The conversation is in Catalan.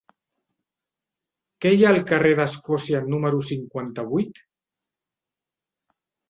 Què hi ha al carrer d'Escòcia número cinquanta-vuit?